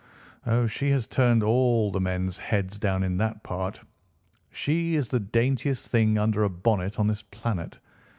"Oh, she has turned all the men's heads down in that part. She is the daintiest thing under a bonnet on this planet.